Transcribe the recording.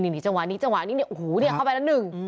นี่จังหวะนี่อูหูเนี่ยเข้าไปละ๑